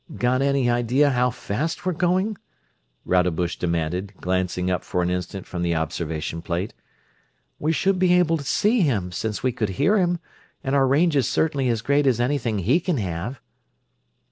"Got any idea how fast we're going?" Rodebush demanded, glancing up for an instant from the observation plate. "We should be able to see him, since we could hear him, and our range is certainly as great as anything he can have."